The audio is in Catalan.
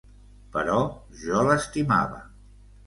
Però jo l'estimava.